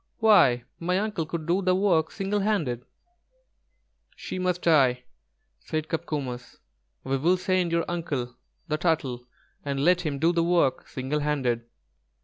Why, my uncle could do the work single handed." "She must die," said Copcomus; "we will send your uncle, the Turtle, and let him do the work single handed."